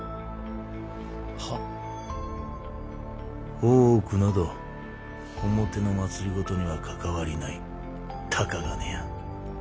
大奥など表の政には関わりないたかが閨。